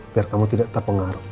biar kamu tidak terpengaruh